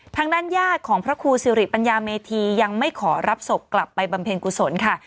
ทางด้านญาติของพระครูสิริปัญญาเมธียังไม่ขอรับศพกลับไปบำเพ็ญกุศลค่ะ